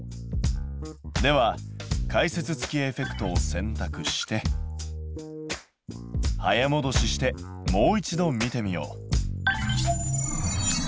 では解説付きエフェクトを選たくして早もどししてもう一度見てみよう。